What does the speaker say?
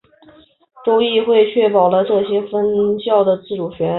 州议会确保了这些分校的自主权。